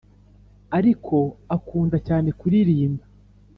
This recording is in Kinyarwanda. ariko akunda cyane kuririmba